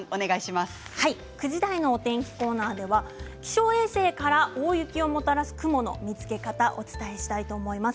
９時台のお天気コーナーでは気象衛星から大雪をもたらす雲の見つけ方をお伝えしたいと思います。